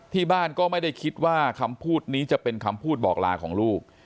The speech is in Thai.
ที่บ้านก็ไม่ได้คิดว่าคำพูดนี้จะเป็นคำพูดบอกลาของลูก